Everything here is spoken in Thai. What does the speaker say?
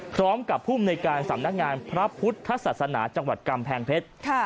พร้อมกับภูมิในการสำนักงานพระพุทธศาสนาจังหวัดกำแพงเพชร